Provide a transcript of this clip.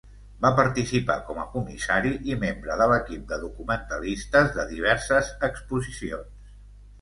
Va participar com a comissari i membre de l'equip de documentalistes de diverses exposicions.